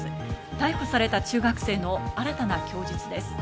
逮捕された中学生の新たな供述です。